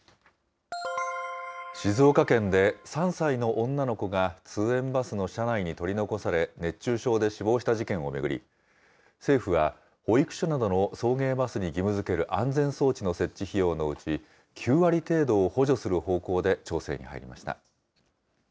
静岡県で３歳の女の子が通園バスの車内に取り残され、熱中症で死亡した事件を巡り、政府は、保育所などの送迎バスに義務づける安全装置の設置費用のうち、９割程度を補助する方向で調整に入りました。